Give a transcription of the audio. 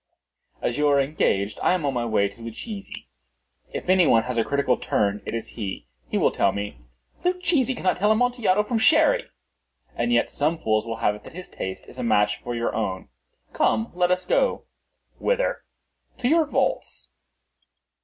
"As you are engaged, I am on my way to Luchesi. If any one has a critical turn, it is he. He will tell me—" "Luchesi cannot tell Amontillado from Sherry." "And yet some fools will have it that his taste is a match for your own." "Come, let us go." "Whither?" "To your vaults."